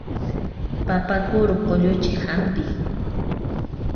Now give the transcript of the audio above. Papa kuru qulluchiq hampi.